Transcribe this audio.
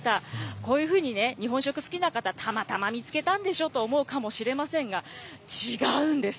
こういうふうにね、日本食好きな方、たまたま見つけたんでしょと思うかもしれませんが、違うんです。